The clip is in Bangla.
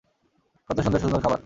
কত সুন্দর সুন্দর খাবার!